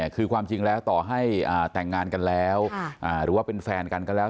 คือความจริงแล้วต่อให้แต่งงานกันแล้วหรือว่าเป็นแฟนกันก็แล้ว